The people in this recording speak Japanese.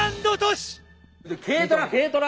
軽トラ軽トラ。